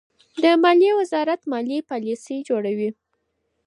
د مالیې وزارت مالي پالیسۍ جوړوي.